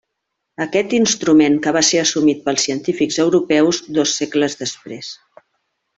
Aquest instrument que va ser assumit pels científics europeus dos segles després.